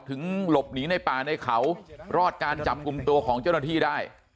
หลบหนีในป่าในเขารอดการจับกลุ่มตัวของเจ้าหน้าที่ได้